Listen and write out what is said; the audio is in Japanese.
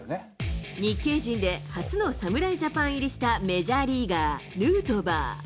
日系人で初の侍ジャパン入りしたメジャーリーガー、ヌートバー。